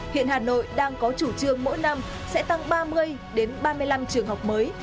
hiện hà nội đang có chủ trương mỗi năm sẽ tăng ba mươi đến ba mươi năm trường học mới